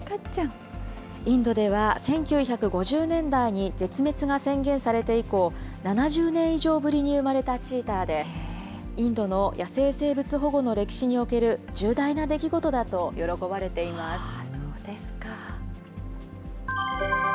インドでは、１９５０年代に絶滅が宣言されて以降、７０年以上ぶりに生まれたチーターで、インドの野生生物保護の歴史における重そうですか。